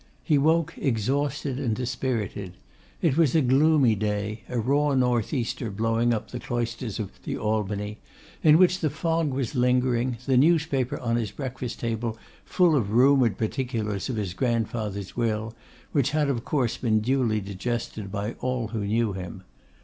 He woke exhausted and dispirited. It was a gloomy day, a raw north easter blowing up the cloisters of the Albany, in which the fog was lingering, the newspaper on his breakfast table, full of rumoured particulars of his grandfather's will, which had of course been duly digested by all who knew him.